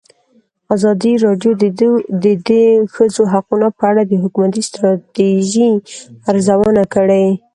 ازادي راډیو د د ښځو حقونه په اړه د حکومتي ستراتیژۍ ارزونه کړې.